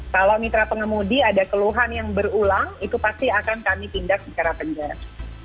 kalau mitra pengemudi ada keluhan yang berulang itu pasti akan kami tindak secara penjara